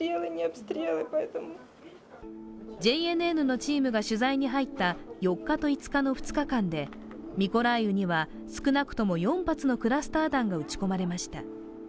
ＪＮＮのチームが取材に入った４日と５日の２日間でミコライウには、少なくとも４発のクラスター弾が撃ち込まれました。